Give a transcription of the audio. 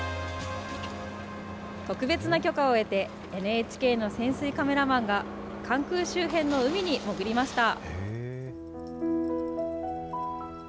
特別な許可を得て、ＮＨＫの潜水カメラマンが関空周辺の海に潜りました。